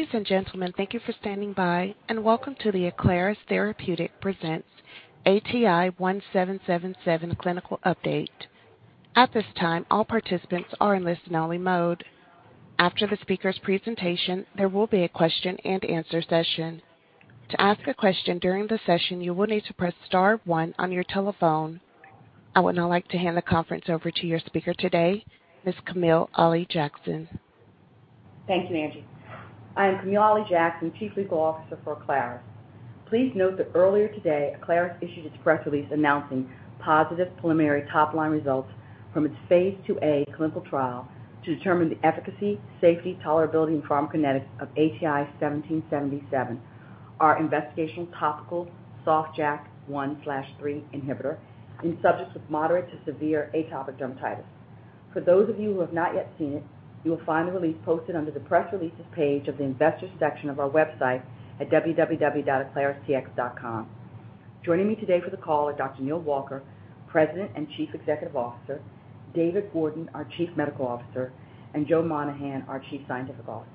Ladies and gentlemen, thank you for standing by, and welcome to the Aclaris Therapeutics presents ATI-1777 Clinical Update. I would now like to hand the conference over to your speaker today, Ms. Kamil Ali-Jackson. Thanks, Angie. I'm Kamil Ali-Jackson, Chief Legal Officer for Aclaris. Please note that earlier today, Aclaris issued its press release announcing positive preliminary top-line results from its Phase IIa clinical trial to determine the efficacy, safety, tolerability, and pharmacokinetics of ATI-1777, our investigational topical soft JAK1/3 inhibitor in subjects with moderate to severe atopic dermatitis. For those of you who have not yet seen it, you'll find the release posted under the Press Releases page of the Investors section of our website at www.aclaristx.com. Joining me today for the call are Dr. Neal Walker, President and Chief Executive Officer, David Gordon, our Chief Medical Officer, and Joe Monahan, our Chief Scientific Officer.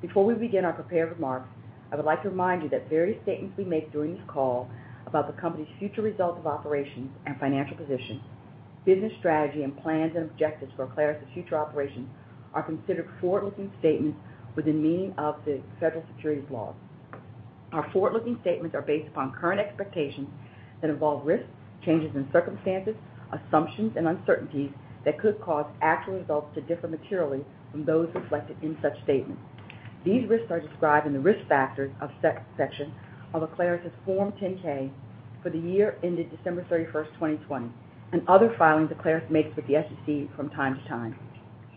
Before we begin our prepared remarks, I would like to remind you that various statements we make during this call about the company's future results of operations and financial position, business strategy, and plans and objectives for Aclaris' future operations are considered forward-looking statements within the meaning of the federal securities laws. Our forward-looking statements are based upon current expectations that involve risks, changes in circumstances, assumptions, and uncertainties that could cause actual results to differ materially from those reflected in such statements. These risks are described in the Risk Factors section of Aclaris' Form 10-K for the year ended December 31st, 2020, and other filings Aclaris makes with the SEC from time to time.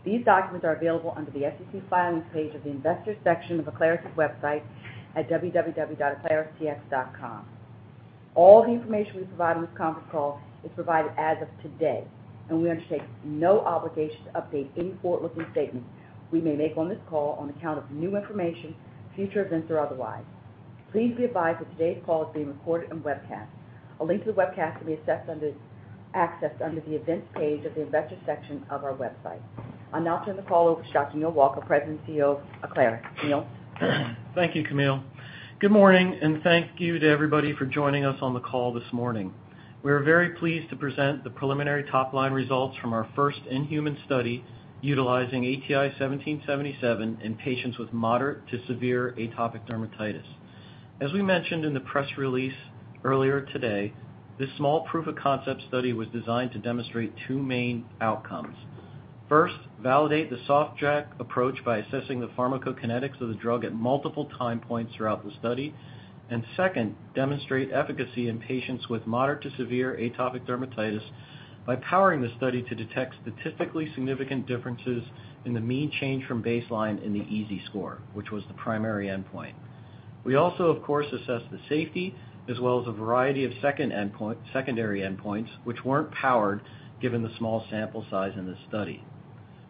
These documents are available under the SEC Filings page of the Investors section of Aclaris' website at www.aclaristx.com. All the information we provide on this conference call is provided as of today, and we undertake no obligation to update any forward-looking statements we may make on this call on account of new information, future events, or otherwise. Please be advised that today's call is being recorded and webcast. A link to the webcast can be accessed under the Events page of the Investors section of our website. I'll now turn the call over to Dr. Neal Walker, President and CEO of Aclaris. Neal? Thank you, Camille. Good morning, and thank you to everybody for joining us on the call this morning. We are very pleased to present the preliminary top-line results from our first in-human study utilizing ATI-1777 in patients with moderate to severe atopic dermatitis. As we mentioned in the press release earlier today, this small proof-of-concept study was designed to demonstrate two main outcomes. First, validate the soft JAK approach by assessing the pharmacokinetics of the drug at multiple time points throughout the study. Second, demonstrate efficacy in patients with moderate to severe atopic dermatitis by powering the study to detect statistically significant differences in the mean change from baseline in the EASI score, which was the primary endpoint. We also, of course, assessed the safety, as well as a variety of secondary endpoints, which weren't powered given the small sample size in this study.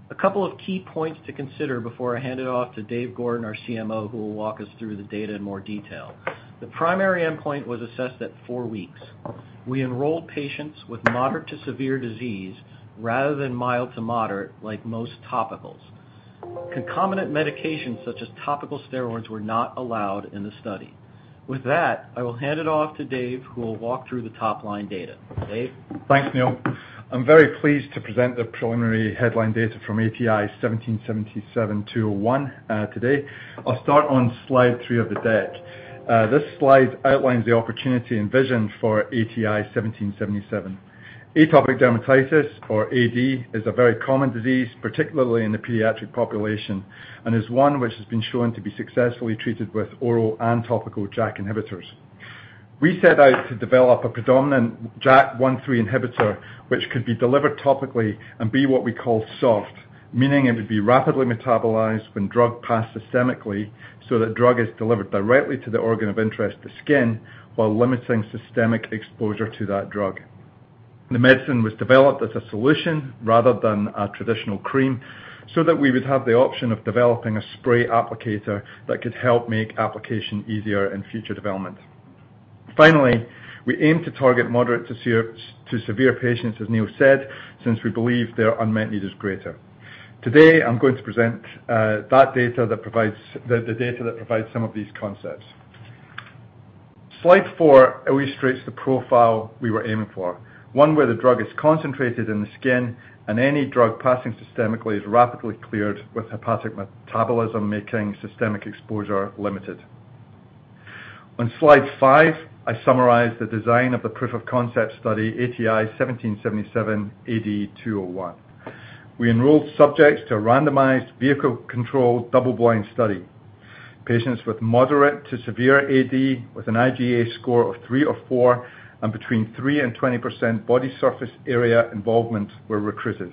A couple of key points to consider before I hand it off to Dave Gordon, our CMO, who will walk us through the data in more detail. The primary endpoint was assessed at four weeks. We enrolled patients with moderate to severe disease rather than mild to moderate, like most topicals. Concomitant medications such as topical steroids were not allowed in the study. With that, I will hand it off to Dave, who will walk through the top-line data. Dave? Thanks, Neal. I'm very pleased to present the preliminary headline data from ATI-1777-AD-201 today. I'll start on slide three of the deck. This slide outlines the opportunity and vision for ATI-1777. Atopic dermatitis, or AD, is a very common disease, particularly in the pediatric population, and is one which has been shown to be successfully treated with oral and topical JAK inhibitors. We set out to develop a predominant JAK1/3 inhibitor which could be delivered topically and be what we call soft, meaning it would be rapidly metabolized when drug passed systemically so that drug is delivered directly to the organ of interest, the skin, while limiting systemic exposure to that drug. The medicine was developed as a solution rather than a traditional cream so that we would have the option of developing a spray applicator that could help make application easier in future development. Finally, we aim to target moderate to severe patients, as Neal said, since we believe their unmet need is greater. Today, I'm going to present the data that provides some of these concepts. Slide four illustrates the profile we were aiming for, one where the drug is concentrated in the skin, and any drug passing systemically is rapidly cleared with hepatic metabolism, making systemic exposure limited. On slide five, I summarize the design of the proof-of-concept study, ATI-1777-AD-201. We enrolled subjects to a randomized, vehicle-controlled, double-blind study. Patients with moderate to severe AD with an IGA score of three or four and between 3% and 20% body surface area involvement were recruited.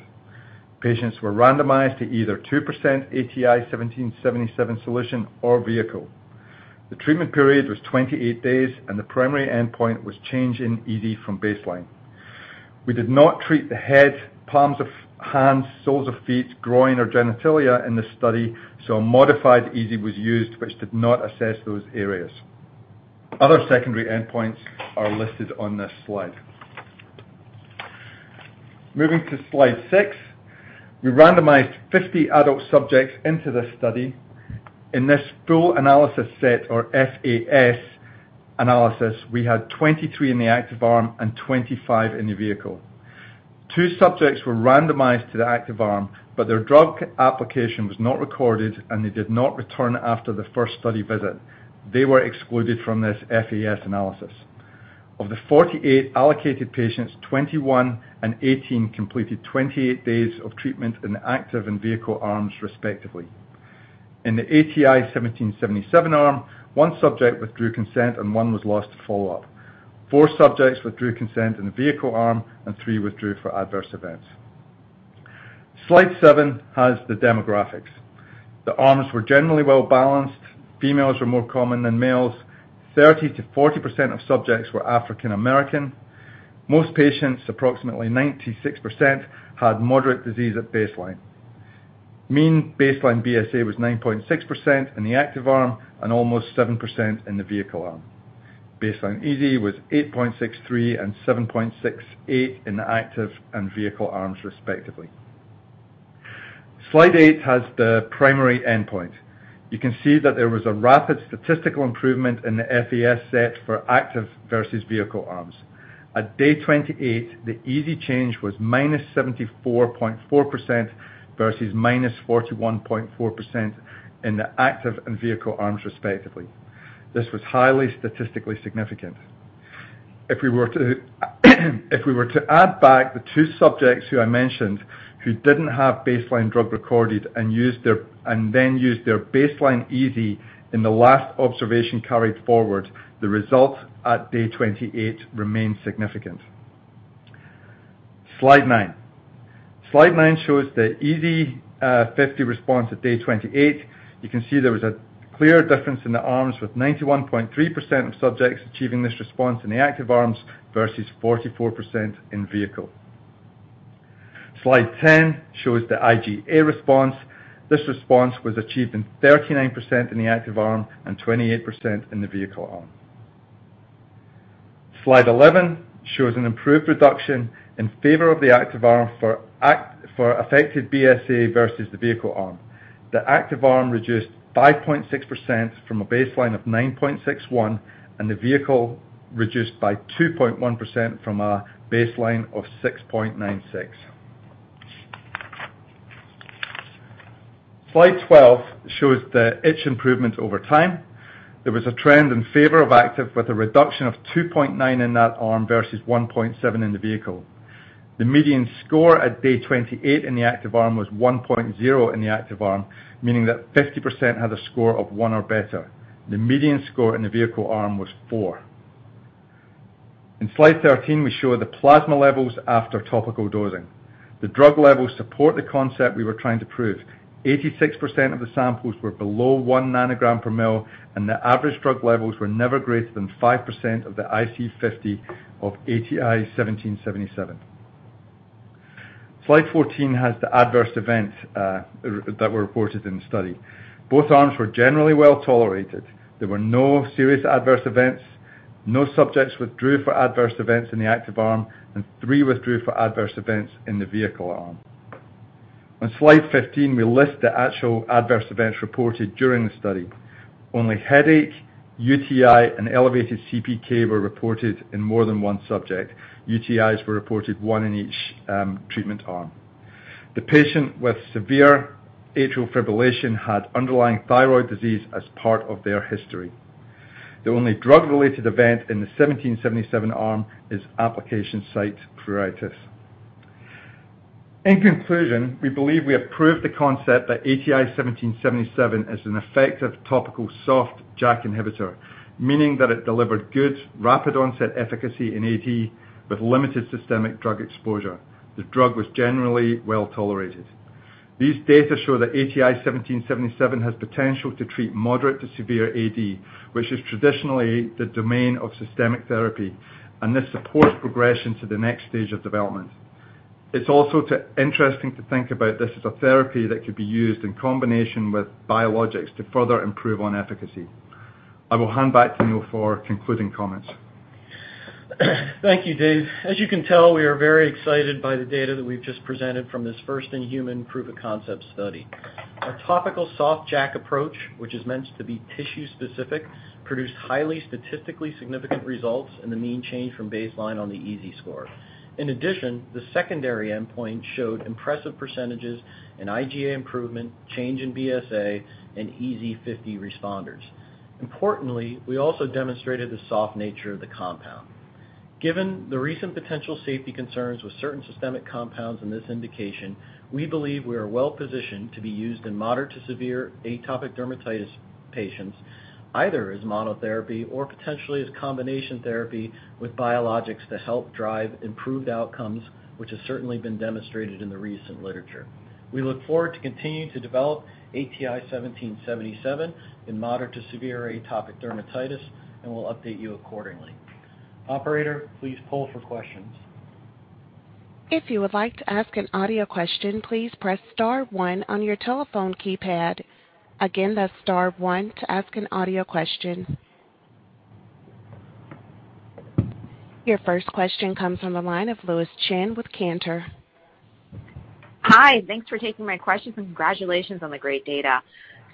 Patients were randomized to either 2% ATI-1777 solution or vehicle. The treatment period was 28 days, and the primary endpoint was change in EASI from baseline. We did not treat the head, palms of hands, soles of feet, groin, or genitalia in the study, so a modified EASI was used which did not assess those areas. Other secondary endpoints are listed on this slide. Moving to slide six. We randomized 50 adult subjects into this study. In this full analysis set, or FAS analysis, we had 23 in the active arm and 25 in the vehicle. Two subjects were randomized to the active arm, but their drug application was not recorded, and they did not return after the first study visit. They were excluded from this FAS analysis. Of the 48 allocated patients, 21 and 18 completed 28 days of treatment in the active and vehicle arms respectively. In the ATI-1777 arm, one subject withdrew consent and one was lost to follow-up. Four subjects withdrew consent in the vehicle arm and three withdrew for adverse events. Slide seven has the demographics. The arms were generally well-balanced. Females were more common than males. 30%-40% of subjects were African American. Most patients, approximately 96%, had moderate disease at baseline. Mean baseline BSA was 9.6% in the active arm and almost 7% in the vehicle arm. Baseline EASI was 8.63 and 7.68 in the active and vehicle arms respectively. Slide eight has the primary endpoint. You can see that there was a rapid statistical improvement in the FAS set for active versus vehicle arms. At day 28, the EASI change was -74.4% versus -41.4% in the active and vehicle arms respectively. This was highly statistically significant. If we were to add back the two subjects who I mentioned who didn't have baseline drug recorded and then used their baseline EASI in the last observation carried forward, the results at day 28 remain significant. Slide nine. Slide 9 shows the EASI 50 response at day 28. You can see there was a clear difference in the arms, with 91.3% of subjects achieving this response in the active arms versus 44% in vehicle. Slide 10 shows the IGA response. This response was achieved in 39% in the active arm and 28% in the vehicle arm. Slide 11 shows an improved reduction in favor of the active arm for affected BSA versus the vehicle arm. The active arm reduced 5.6% from a baseline of 9.61, and the vehicle reduced by 2.1% from a baseline of 6.96. Slide 12 shows the itch improvement over time. There was a trend in favor of active, with a reduction of 2.9 in that arm versus 1.7 in the vehicle. The median score at day 28 in the active arm was 1.0 in the active arm, meaning that 50% had a score of one or better. The median score in the vehicle arm was four. In slide 13, we show the plasma levels after topical dosing. The drug levels support the concept we were trying to prove. 86% of the samples were below 1 nanogram per ml, and the average drug levels were never greater than 5% of the IC50 of ATI-1777. Slide 14 has the adverse events that were reported in the study. Both arms were generally well-tolerated. There were no serious adverse events. No subjects withdrew for adverse events in the active arm, and three withdrew for adverse events in the vehicle arm. On slide 15, we list the actual adverse events reported during the study. Only headache, UTI, and elevated CPK were reported in more than one subject. UTIs were reported one in each treatment arm. The patient with severe atrial fibrillation had underlying thyroid disease as part of their history. The only drug-related event in the 1777 arm is application site pruritus. In conclusion, we believe we have proved the concept that ATI-1777 is an effective topical soft JAK inhibitor, meaning that it delivered good, rapid onset efficacy in AD with limited systemic drug exposure. The drug was generally well-tolerated. These data show that ATI-1777 has potential to treat moderate to severe AD, which is traditionally the domain of systemic therapy, and this supports progression to the next stage of development. It's also interesting to think about this as a therapy that could be used in combination with biologics to further improve on efficacy. I will hand back to Neal for concluding comments. Thank you, Dave. As you can tell, we are very excited by the data that we've just presented from this first in human proof of concept study. Our topical soft JAK approach, which is meant to be tissue specific, produced highly statistically significant results in the mean change from baseline on the EASI score. In addition, the secondary endpoint showed impressive percentages in IGA improvement, change in BSA, and EASI-50 responders. Importantly, we also demonstrated the soft nature of the compound. Given the recent potential safety concerns with certain systemic compounds in this indication, we believe we are well-positioned to be used in moderate to severe atopic dermatitis patients, either as monotherapy or potentially as combination therapy with biologics to help drive improved outcomes, which has certainly been demonstrated in the recent literature. We look forward to continuing to develop ATI-1777 in moderate to severe atopic dermatitis. We'll update you accordingly. Operator, please poll for questions. If you would like to ask an audio question, please press star one on your telephone keypad. Again, that's star one to ask an audio question. Your first question comes from the line of Lois Chan with Cantor. Hi. Thanks for taking my question, and congratulations on the great data.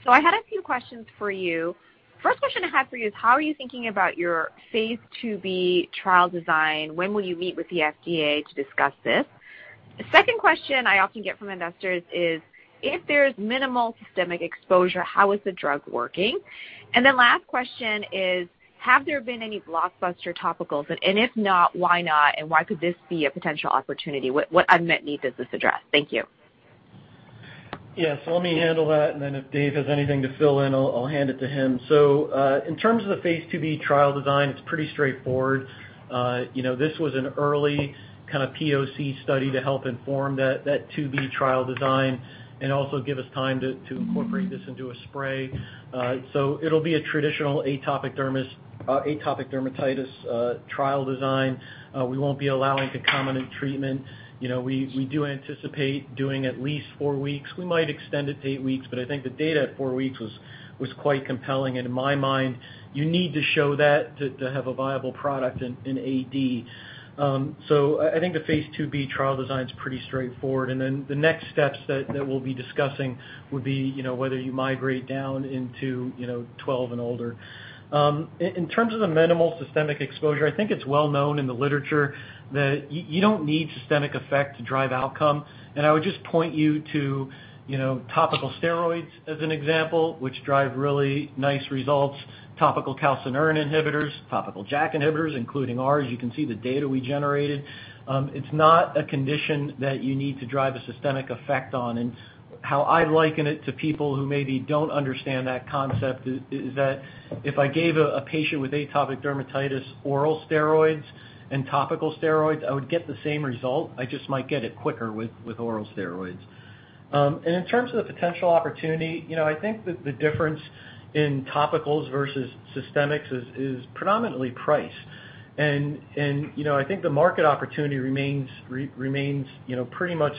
I had a few questions for you. First question I had for you is, how are you thinking about your phase II-B trial design? When will you meet with the FDA to discuss this? The second question I often get from investors is, if there's minimal systemic exposure, how is the drug working? The last question is, have there been any blockbuster topicals, and if not, why not? Why could this be a potential opportunity? What unmet need does this address? Thank you. Yeah. Let me handle that, and then if Dave has anything to fill in, I'll hand it to him. In terms of the phase IIb trial design, it's pretty straightforward. This was an early kind of POC study to help inform that phase IIb trial design and also give us time to incorporate this into a spray. It'll be a traditional atopic dermatitis trial design. We won't be allowing concomitant treatment. We do anticipate doing at least four weeks. We might extend it to eight weeks, but I think the data at four weeks was quite compelling, and in my mind, you need to show that to have a viable product in AD. I think the phase IIb trial design is pretty straightforward. The next steps that we'll be discussing would be, whether you migrate down into 12 and older. In terms of the minimal systemic exposure, I think it's well known in the literature that you don't need systemic effect to drive outcome. I would just point you to topical steroids as an example, which drive really nice results, topical calcineurin inhibitors, topical JAK inhibitors, including ours. You can see the data we generated. It's not a condition that you need to drive a systemic effect on. How I liken it to people who maybe don't understand that concept is that if I gave a patient with atopic dermatitis oral steroids and topical steroids, I would get the same result. I just might get it quicker with oral steroids. In terms of the potential opportunity, I think that the difference in topicals versus systemics is predominantly price. I think the market opportunity remains pretty much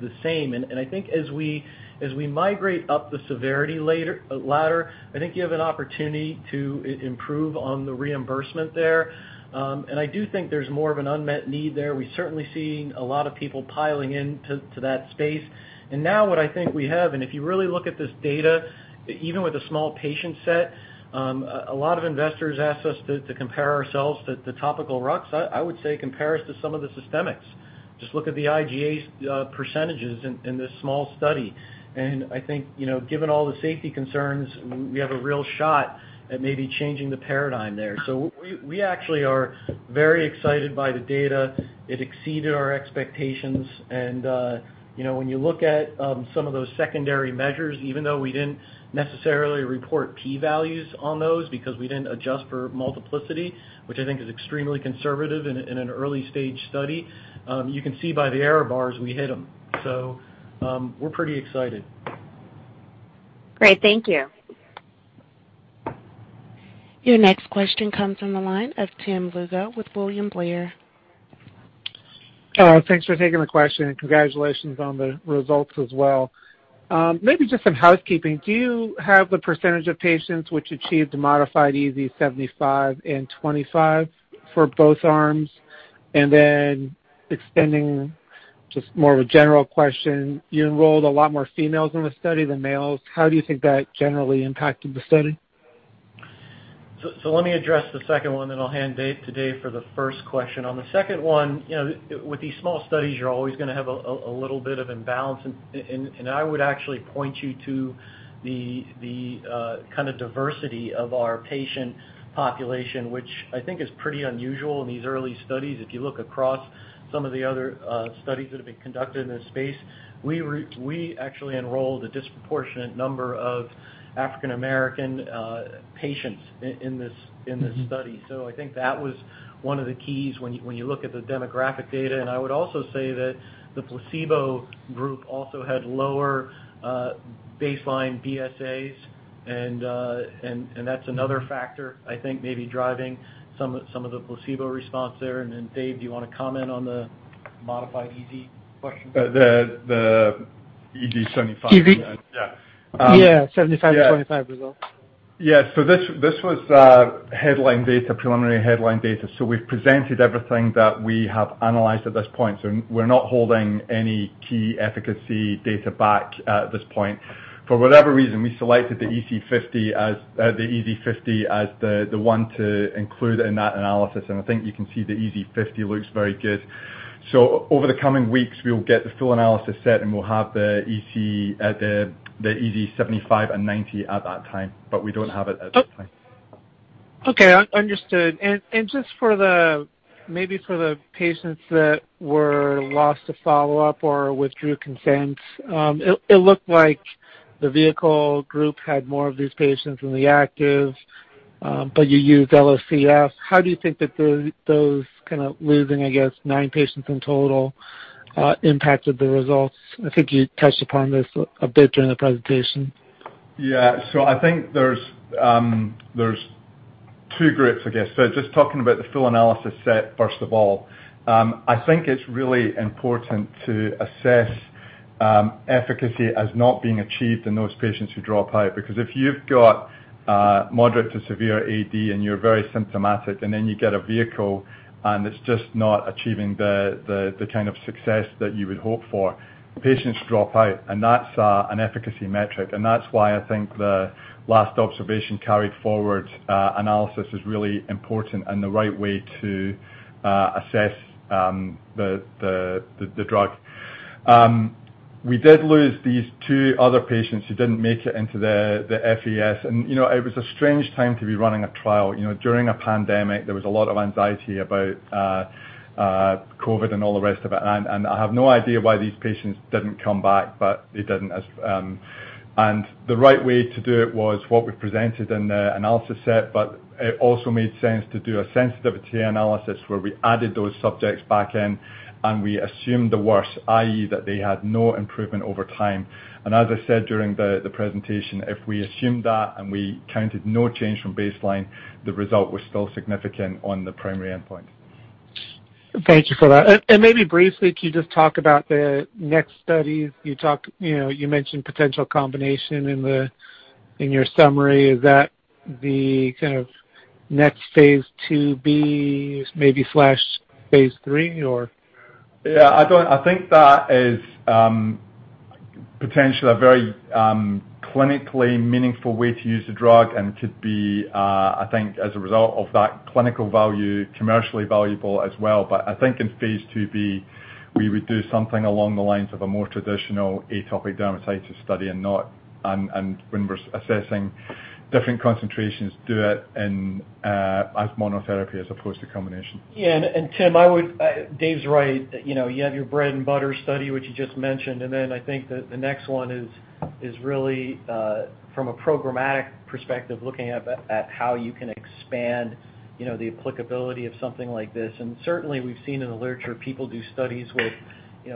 the same. I think as we migrate up the severity ladder, I think you have an opportunity to improve on the reimbursement there. I do think there's more of an unmet need there. We've certainly seen a lot of people piling into that space. Now what I think we have, and if you really look at this data, even with a small patient set, a lot of investors ask us to compare ourselves to topical ruxolitinib. I would say compare us to some of the systemics. Just look at the IGA percentages in this small study. I think, given all the safety concerns, we have a real shot at maybe changing the paradigm there. We actually are very excited by the data. It exceeded our expectations, and when you look at some of those secondary measures, even though we didn't necessarily report P values on those because we didn't adjust for multiplicity, which I think is extremely conservative in an early-stage study, you can see by the error bars we hit them. We're pretty excited. Great. Thank you. Your next question comes from the line of Tim Liu with William Blair. Thanks for taking the question, and congratulations on the results as well. Maybe just some housekeeping. Do you have the percentage of patients which achieved the modified EASI 75 and 25 for both arms? Then extending, just more of a general question, you enrolled a lot more females in the study than males. How do you think that generally impacted the study? Let me address the second one, and I'll hand Dave to Dave for the first question. On the second one, with these small studies, you're always going to have a little bit of imbalance, and I would actually point you to the kind of diversity of our patient population, which I think is pretty unusual in these early studies. If you look across some of the other studies that have been conducted in this space, we actually enrolled a disproportionate number of African American patients in this study. I think that was one of the keys when you look at the demographic data. I would also say that the placebo group also had lower baseline BSAs and that's another factor I think may be driving some of the placebo response there. Dave, do you want to comment on the modified EASI question? The EASI 75? Excuse me. Yeah, 75/25 results. Yeah. This was the preliminary headline data. We've presented everything that we have analyzed at this point. We're not holding any key efficacy data back at this point. For whatever reason, we selected the EASI 50 as the one to include in that analysis, and I think you can see the EASI 50 looks very good. Over the coming weeks, we'll get the Full Analysis Set, and we'll have the EASI 75 and EASI 90 at that time, but we don't have it at this time. Just maybe for the patients that were lost to follow-up or withdrew consent, it looked like the vehicle group had more of these patients than the active, but you used LOCF. How do you think that those kind of losing, I guess nine patients in total impacted the results? I think you touched upon this a bit during the presentation. Yeah. I think there's two groups, I guess. Just talking about the Full Analysis Set, first of all. I think it's really important to assess efficacy as not being achieved in those patients who drop out. Because if you've got moderate to severe AD and you're very symptomatic, and then you get a vehicle, and it's just not achieving the kind of success that you would hope for, patients drop out, and that's an efficacy metric. That's why I think the Last Observation Carried Forward analysis is really important and the right way to assess the drug. We did lose these two other patients who didn't make it into the FAS. It was a strange time to be running a trial. During a pandemic, there was a lot of anxiety about COVID and all the rest of it. I have no idea why these patients didn't come back, but they didn't. The right way to do it was what we presented in the analysis set, but it also made sense to do a sensitivity analysis where we added those subjects back in, and we assumed the worst, i.e., that they had no improvement over time. As I said during the presentation, if we assumed that and we counted no change from baseline, the result was still significant on the primary endpoint. Thank you for that. Maybe briefly, can you just talk about the next studies? You mentioned potential combination in your summary. Is that the next phase IIb, maybe flash phase III or? Yeah, I think that is potentially a very clinically meaningful way to use the drug and could be, I think, as a result of that clinical value, commercially valuable as well. I think in phase II-B, we would do something along the lines of a more traditional atopic dermatitis study, and when we're assessing different concentrations, do it as monotherapy as opposed to combination. Yeah. Tim, Dave's right. You have your bread and butter study, which you just mentioned, then I think that the next one is really from a programmatic perspective, looking at how you can expand the applicability of something like this. Certainly, we've seen in the literature people do studies with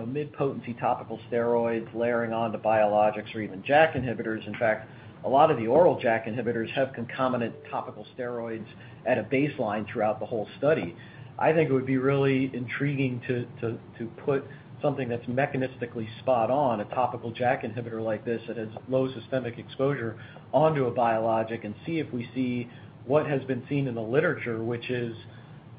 mid-potency topical steroids layering on to biologics or even JAK inhibitors. In fact, a lot of the oral JAK inhibitors have concomitant topical steroids at a baseline throughout the whole study. I think it would be really intriguing to put something that's mechanistically spot on, a topical JAK inhibitor like this that has low systemic exposure, onto a biologic and see if we see what has been seen in the literature, which is,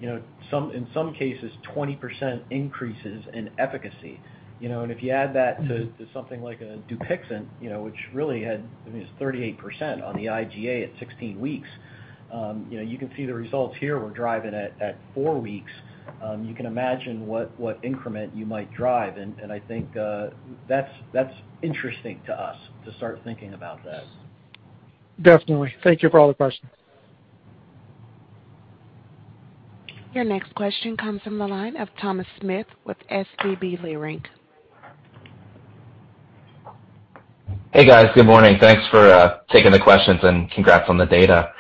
in some cases, 20% increases in efficacy. If you add that to something like a DUPIXENT, which really had 38% on the IGA at 16 weeks. You can see the results here we're driving at four weeks. You can imagine what increment you might drive, and I think that's interesting to us to start thinking about that. Definitely. Thank you for all the questions. Your next question comes from the line of Thomas Smith with Leerink Partners. Hey, guys. Good morning. Thanks for taking the questions, and congrats on the data.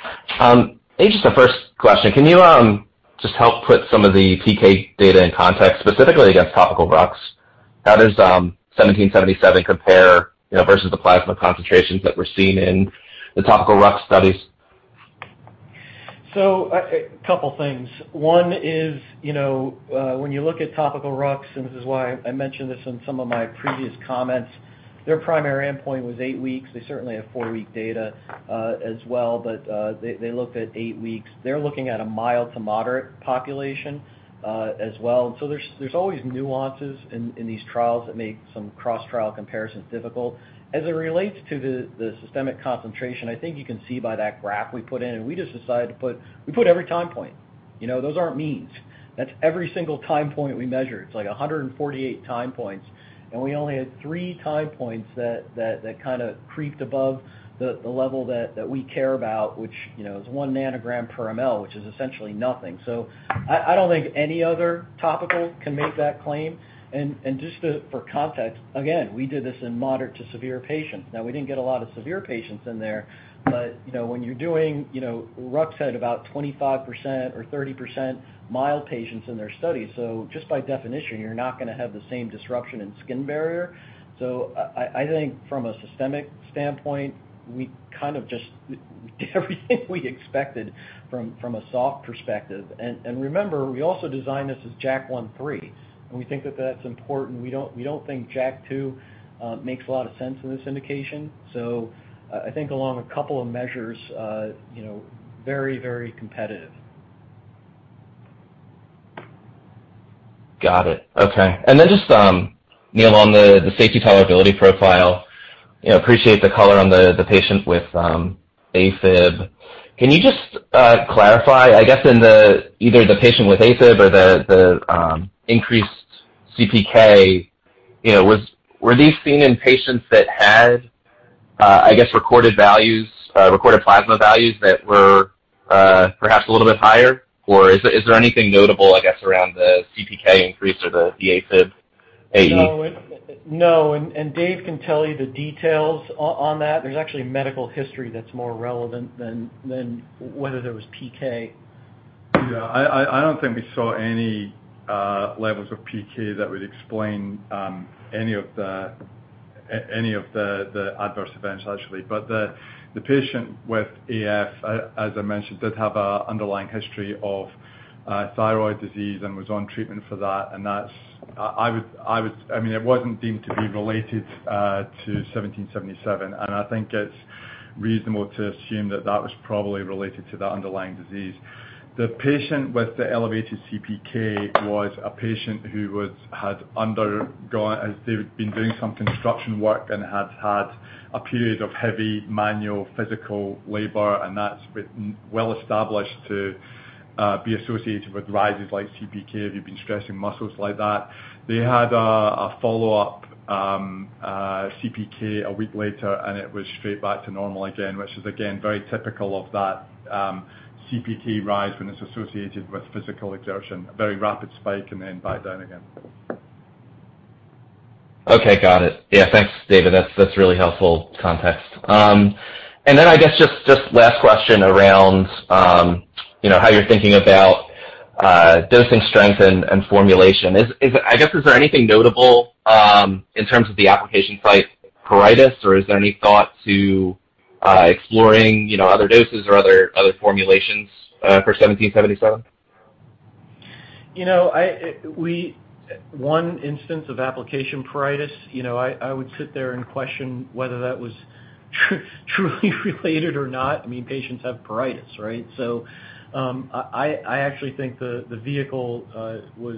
Just the first question, can you just help put some of the PK data in context, specifically against topical RUX? How does 1777 compare versus the plasma concentrations that we're seeing in the topical RUX studies? A couple things. One is, when you look at topical RUX, and this is why I mentioned this in some of my previous comments, their primary endpoint was eight weeks. They certainly have four-week data as well, but they looked at eight weeks. They're looking at a mild to moderate population as well. There's always nuances in these trials that make some cross-trial comparisons difficult. As it relates to the systemic concentration, I think you can see by that graph we put in, we just decided to put every time point. Those aren't means. That's every single time point we measured. It's like 148 time points, and we only had three time points that kind of creeped above the level that we care about, which is one nanogram per mL, which is essentially nothing. I don't think any other topical can make that claim. Just for context, again, we did this in moderate to severe patients. We didn't get a lot of severe patients in there, but when you're doing RUX had about 25% or 30% mild patients in their study. Just by definition, you're not going to have the same disruption in skin barrier. I think from a systemic standpoint, we kind of just get everything we expected from a soft perspective. Remember, we also designed this as JAK1/3, and we think that that's important. We don't think JAK2 makes a lot of sense in this indication. I think along a couple of measures, very competitive. Got it. Okay. Then just along the safety tolerability profile, appreciate the color on the patient with AFib. Can you just clarify, I guess, in either the patient with AFib or the increased CPK, were these seen in patients that had, I guess, recorded plasma values that were perhaps a little bit higher? Is there anything notable, I guess, around the CPK increase or the AFib AE? No, Dave can tell you the details on that. There's actually medical history that's more relevant than whether there was PK. I don't think we saw any levels of PK that would explain any of the adverse events actually. The patient with AF, as I mentioned, did have an underlying history of thyroid disease and was on treatment for that. It wasn't deemed to be related to 1777. I think it's reasonable to assume that was probably related to the underlying disease. The patient with the elevated CPK was a patient who had been doing some construction work and had had a period of heavy manual physical labor. That's well established to be associated with rises like CPK if you've been stressing muscles like that. They had a follow-up CPK a week later. It was straight back to normal again, which is, again, very typical of that CPK rise when it's associated with physical exertion. A very rapid spike then back down again. Okay. Got it. Yeah, thanks, David. That's really helpful context. Then I guess, just last question around how you're thinking about dosing strength and formulation. I guess, is there anything notable in terms of the application site pruritus, or is there any thought to exploring other doses or other formulations for 1777? One instance of application site pruritus, I would sit there and question whether that was truly related or not. Patients have pharyngitis, right? I actually think the vehicle was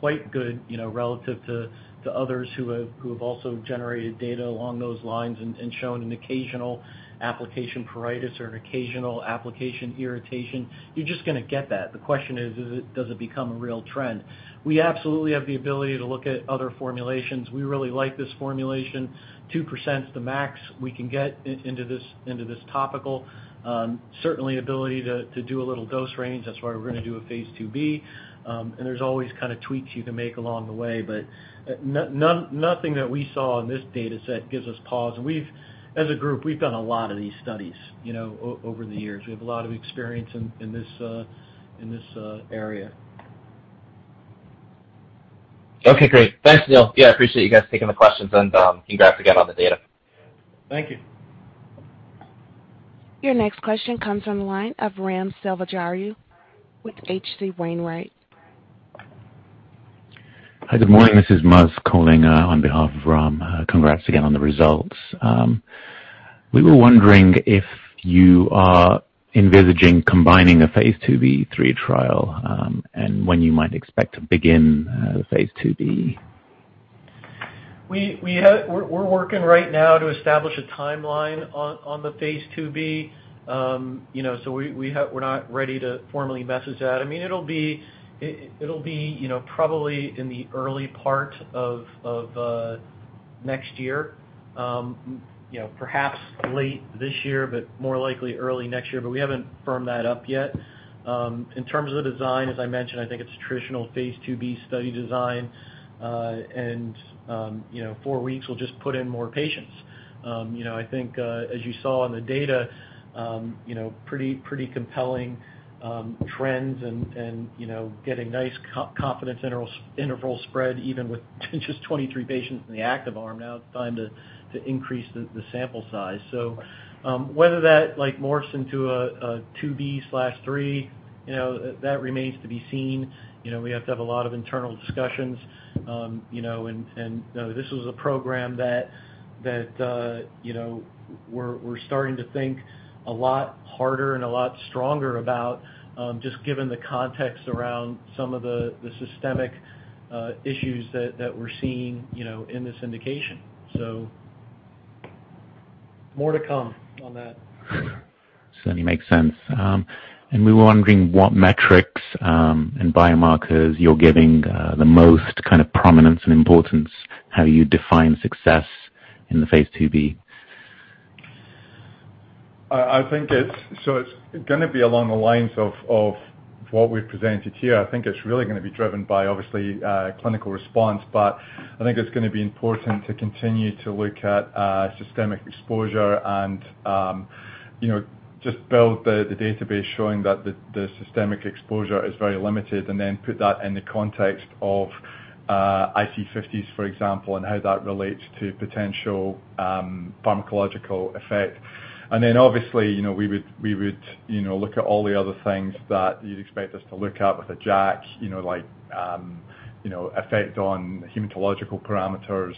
quite good relative to others who have also generated data along those lines and shown an occasional application site pruritus or an occasional application irritation. You're just going to get that. The question is, does it become a real trend? We absolutely have the ability to look at other formulations. We really like this formulation. 2% is the max we can get into this topical. Certainly ability to do a little dose range. That's why we're going to do a phase IIb, and there's always tweaks you can make along the way, but nothing that we saw in this data set gives us pause, and as a group, we've done a lot of these studies over the years. We have a lot of experience in this area. Okay, great. Thanks, Neal. Yeah, appreciate you guys taking the questions, and you guys forgot about the data. Thank you. Your next question comes from the line of Ram Selvaraju with H.C. Wainwright. Hi, good morning. This is Muzz calling on behalf of Ram. Congrats again on the results. We were wondering if you are envisaging combining a phase IIb/III trial, and when you might expect to begin the phase IIb. We're working right now to establish a timeline on the phase IIb, so we're not ready to formally message that. It'll be probably in the early part of next year. Perhaps late this year, but more likely early next year, but we haven't firmed that up yet. In terms of the design, as I mentioned, I think it's a traditional phase IIb study design, and four weeks, we'll just put in more patients. I think as you saw in the data, pretty compelling trends and getting nice confidence interval spread even with just 23 patients in the active arm. Whether that morphs into a phase IIb/III, that remains to be seen. We have to have a lot of internal discussions, and this was a program that we're starting to think a lot harder and a lot stronger about, just given the context around some of the systemic issues that we're seeing in this indication. More to come on that. Certainly makes sense. We were wondering what metrics and biomarkers you're giving the most prominence and importance. How do you define success in the phase IIb? It's going to be along the lines of what we've presented here. I think it's really going to be driven by obviously clinical response, but I think it's going to be important to continue to look at systemic exposure and just build the database showing that the systemic exposure is very limited and then put that in the context of IC50s, for example, and how that relates to potential pharmacological effect. Obviously, we would look at all the other things that you'd expect us to look at with a JAK, like effect on hematological parameters,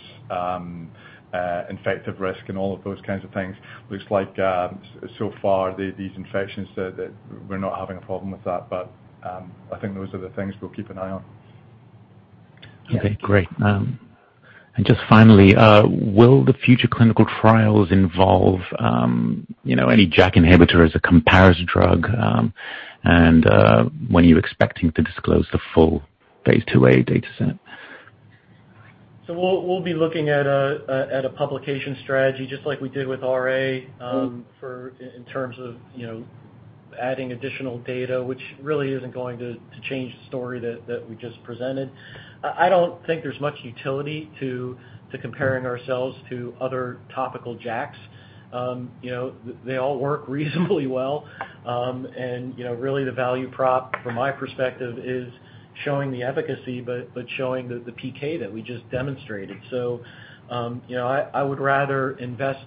infective risk, and all of those kinds of things. Looks like so far, these infections, we're not having a problem with that, but I think those are the things we'll keep an eye on. Okay, great. Just finally, will the future clinical trials involve any JAK inhibitor as a comparison drug? When are you expecting to disclose the full phase IIa data set? We'll be looking at a publication strategy, just like we did with RA in terms of adding additional data, which really isn't going to change the story that we just presented. I don't think there's much utility to comparing ourselves to other topical JAKs. They all work reasonably well, and really the value prop from my perspective is showing the efficacy, but showing the PK that we just demonstrated. I would rather invest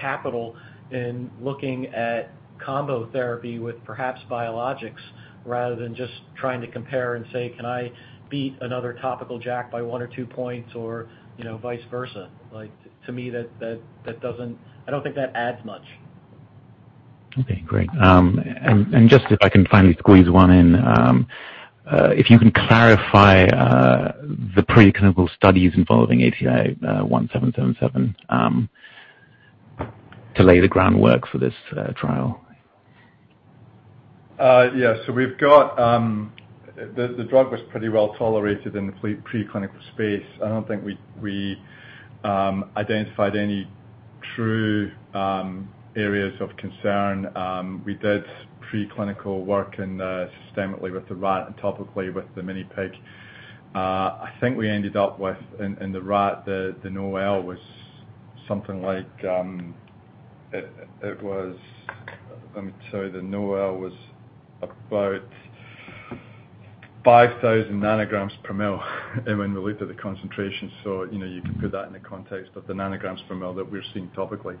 capital in looking at combo therapy with perhaps biologics rather than just trying to compare and say, "Can I beat another topical JAK by one or two points, or vice versa?" To me, I don't think that adds much. Okay, great. Just if I can finally squeeze one in, if you can clarify the preclinical studies involving ATI-1777 to lay the groundwork for this trial. Yeah. The drug was pretty well-tolerated in the preclinical space. I don't think we identified any true areas of concern. We did preclinical work systemically with the rat and topically with the mini pig. I think we ended up with, in the rat, the NOAEL was something like about 5,000 nanograms per mil when we looked at the concentration. You can put that into context with the nanograms per mil that we're seeing topically.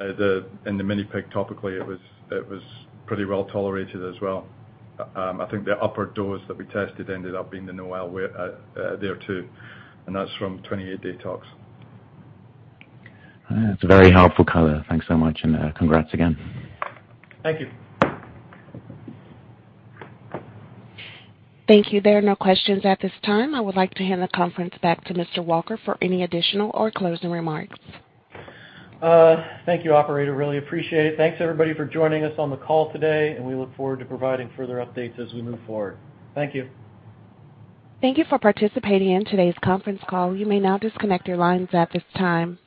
In the mini pig topically, it was pretty well-tolerated as well. I think the upper dose that we tested ended up being the NOAEL there, too, and that's from 28-day tox. That's very helpful, Callum. Thanks so much, and congrats again. Thank you. Thank you. There are no questions at this time. I would like to hand the conference back to Mr. Walker for any additional or closing remarks. Thank you, operator. Really appreciate it. Thanks, everybody, for joining us on the call today, and we look forward to providing further updates as we move forward. Thank you. Thank you for participating in today's conference call. You may now disconnect your lines at this time.